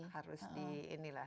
harus di ini lah